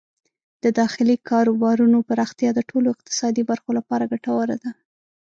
د داخلي کاروبارونو پراختیا د ټولو اقتصادي برخو لپاره ګټوره ده.